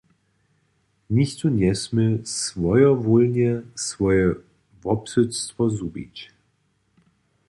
Nichtó njesmě swojowólnje swoje wobsydstwo zhubić.